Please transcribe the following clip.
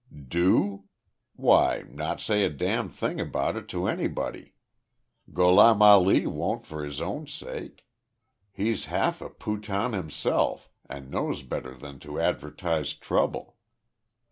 "Do? Why, not say a damn thing about it to anybody. Gholam Ali won't for his own sake. He's half a Pathan himself and knows better than to advertise trouble.